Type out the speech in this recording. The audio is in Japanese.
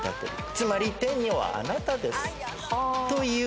つまり天女はあなたですという意味。